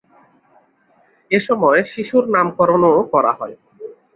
এ সময় শিশুর নামকরণও করা হয়।